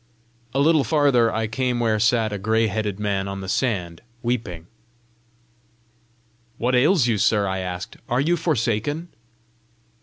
A little farther, I came where sat a grayheaded man on the sand, weeping. "What ails you, sir?" I asked. "Are you forsaken?"